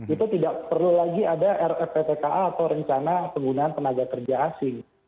itu tidak perlu lagi ada rptka atau rencana penggunaan tenaga kerja asing